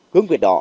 hướng quyệt đó